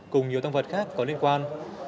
cùng nhiều thông vật khác có liên quan